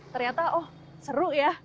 ternyata oh seru ya